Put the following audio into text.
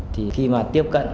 thì khi mà tiếp cận